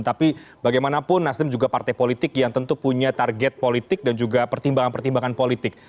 tapi bagaimanapun nasdem juga partai politik yang tentu punya target politik dan juga pertimbangan pertimbangan politik